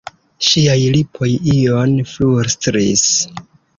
Ŝiaj lipoj ion flustris.